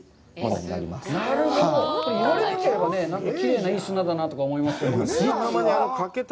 なんかきれいないい砂だと思いますけど、実は。